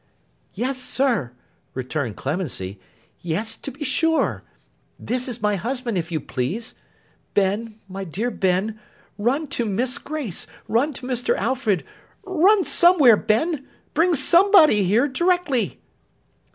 'Yes, sir,' returned Clemency. 'Yes, to be sure. This is my husband, if you please. Ben, my dear Ben, run to Miss Grace—run to Mr. Alfred—run somewhere, Ben! Bring somebody here, directly!